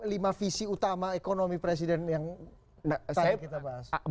lima visi utama ekonomi presiden yang tadi kita bahas